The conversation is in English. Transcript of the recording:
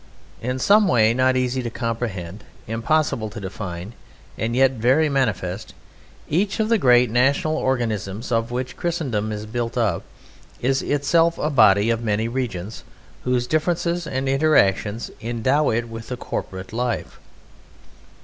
In some way not easy to comprehend, impossible to define, and yet very manifest, each of the great national organisms of which Christendom is built up is itself a body of many regions whose differences and interaction endow it with a corporate life.